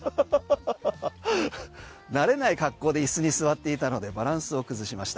慣れない格好で椅子に座っていたのでバランスを崩しました。